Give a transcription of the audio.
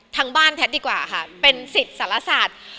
ทางบ้านแพทย์ดีกว่าค่ะเป็นสิทธิ์สารศาสตร์